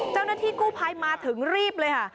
เจ้าหน้าที่กู้ภัยมาถึงรีบเลยค่ะ